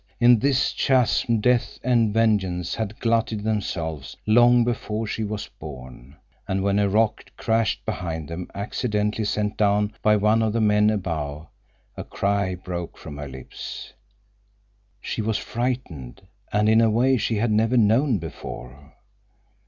In this chasm death and vengeance had glutted themselves long before she was born; and when a rock crashed behind them, accidentally sent down by one of the men above, a cry broke from her lips. She was frightened, and in a way she had never known before.